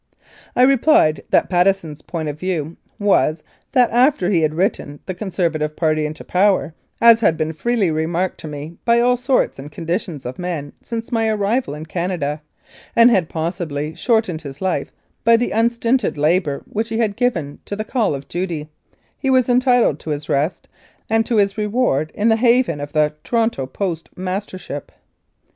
I replied that Patteson's point of view was, that after he had written the Conservative party into power, as had been freely remarked to me by all sorts and conditions of men since my arrival in Canada, and had possibly shortened his life by the unstinted labour which he had given to the call of duty, he was entitled to his rest, and to his reward in the haven of the Toronto Post mastership.